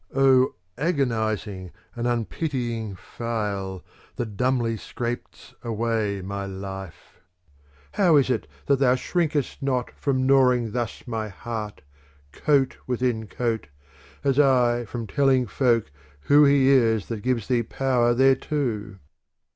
Oh agonising and unpitying file, That dumbly scrap'st away my life, how is it that thou shrinkest not from gnawing thus my heart, coat within coat, as I from telling folk ^^^9 he is that gives thee power thereto